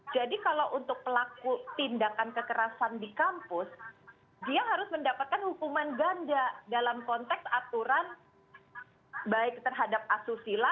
jadi kalau untuk pelaku tindakan kekerasan di kampus dia harus mendapatkan hukuman ganda dalam konteks aturan baik terhadap asusila